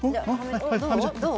どう？